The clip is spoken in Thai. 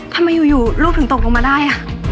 ทำไมอยู่ลูกถึงตกลงมาได้